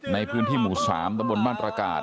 ในพื้นที่หมู่สามตรงบนบ้านตระกาศ